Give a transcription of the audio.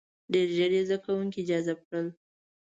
• ډېر ژر یې زده کوونکي جذب کړل.